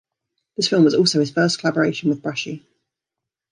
This film was also his first collaboration with Braschi.